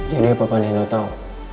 jadi apa panino tau